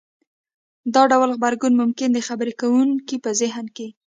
دا ډول غبرګون ممکن د خبرې کوونکي په زهن کې